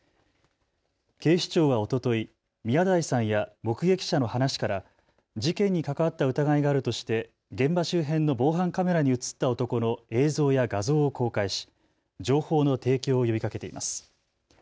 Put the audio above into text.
警視庁はおととい宮台さんや目撃者の話から事件に関わった疑いがあるとして現場周辺の防犯カメラに写った男の映像や画像を公開し情報の提供を呼びかけています。